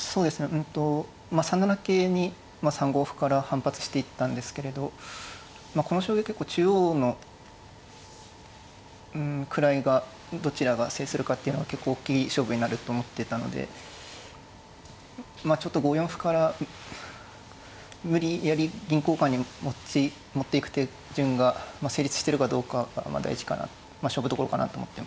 うんとまあ３七桂に３五歩から反発していったんですけれどこの将棋結構中央の位がどちらが制するかっていうのが結構おっきい勝負になると思ってたのでまあちょっと５四歩から無理やり銀交換に持っていく手順が成立してるかどうかが大事かな勝負どころかなと思ってました。